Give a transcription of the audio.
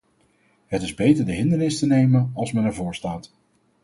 Het is beter de hindernis te nemen als men er voorstaat.